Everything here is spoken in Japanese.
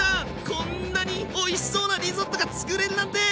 こんなにおいしそうなリゾットがつくれるなんて！